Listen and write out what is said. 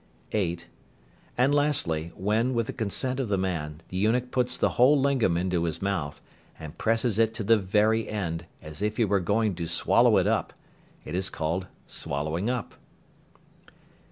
(8). And lastly, when, with the consent of the man, the eunuch puts the whole lingam into his mouth, and presses it to the very end, as if he were going to swallow it up, it is called "swallowing up."